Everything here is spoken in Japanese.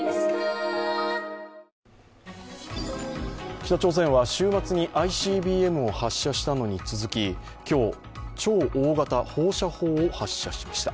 北朝鮮は週末にＩＣＢＭを発射したのに続き、今日、超大型放射砲を発射しました